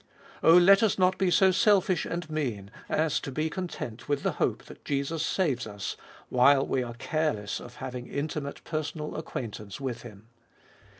Oh, let us not be so selfish and mean as to be content with the hope that Jesus saves us, while we are careless of having intimate personal acquaintance with Him.